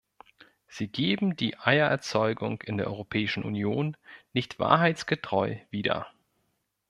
Sie geben die Eiererzeugung in der Europäischen Union nicht wahrheitsgetreu wider.